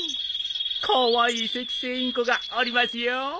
カワイイセキセイインコがおりますよ。